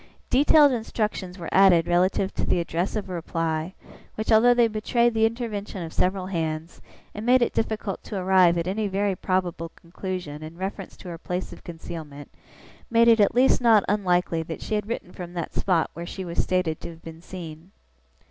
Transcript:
Detailed instructions were added relative to the address of a reply, which, although they betrayed the intervention of several hands, and made it difficult to arrive at any very probable conclusion in reference to her place of concealment, made it at least not unlikely that she had written from that spot where she was stated to have been seen.